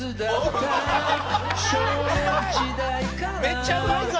めっちゃうまいぞ！